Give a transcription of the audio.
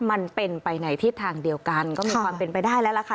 มันเป็นไปในทิศทางเดียวกันก็มีความเป็นไปได้แล้วล่ะค่ะ